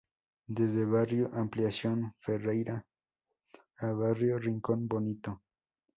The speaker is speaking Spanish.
Desde barrio Ampliación Ferreyra a barrio Rincón Bonito.